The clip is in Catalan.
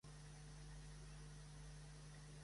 Gluck va ser admirat per Berlioz i per Wagner.